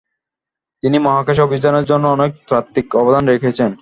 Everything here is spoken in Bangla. তিনি মহাকাশ অভিযানের জন্য অনেক তাত্ত্বিক অবদান রেখেছেন।